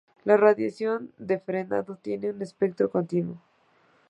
La radiación de frenado tiene un espectro continuo.